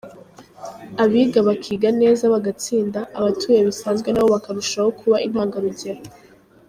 Abiga bakiga neza bagatsinda, abatuye bisanzwe nabo bakarushaho kuba intangarugero.